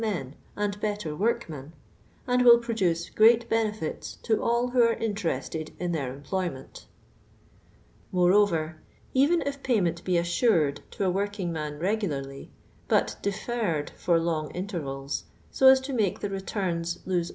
i :ii:d M/«r #'»)/ i/m/', and will produce great benefits to all who are interested in their empioyment." Moreover, even if i)aynuMU be assured to a working man regiil irly, Ift ihj'rrr,d fnr huj in tfri'o.'.i, so as to make the return * Iomj